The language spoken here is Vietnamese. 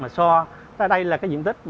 mà so với đây là diện tích